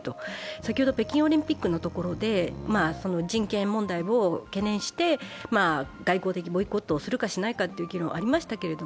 先ほど北京オリンピックのところで人権問題を懸念して外交的ボイコットをするかしないかという議論はありましたけど